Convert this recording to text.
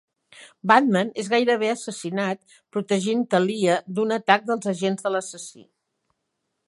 Batman és gairebé assassinat protegint Talia d'un atac dels agents de l'assassí.